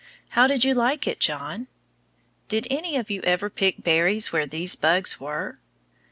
How did you like it, John? Did any of you ever pick berries where these bugs were?